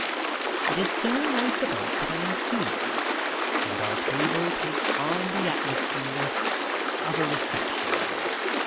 It is soon noised about that I am here and our table takes on the atmosphere of a reception.